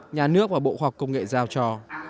nhà nước và bộ khoa học công nghệ giao cho